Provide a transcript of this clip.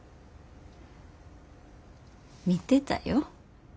みてたよ。